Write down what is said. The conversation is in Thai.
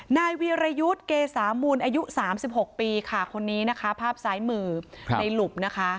นายเวียรายุทรเกสามูลอายุสามสิบหกปีคนนี้ภาพซ้ายมือในลูบ